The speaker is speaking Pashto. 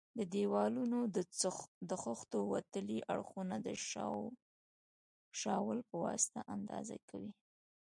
د دېوالونو د خښتو وتلي اړخونه د شاول په واسطه اندازه کوي.